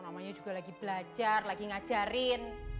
namanya juga lagi belajar lagi ngajarin